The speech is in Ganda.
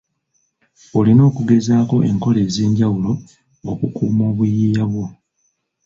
Olina okugezaako enkola ez'enjawulo okukuuma obuyiiya bwo.